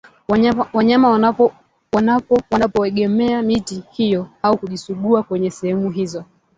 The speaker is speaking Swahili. wanyama wanapo wanapoegemea miti hiyo au kujisugua kwenye sehemu hizo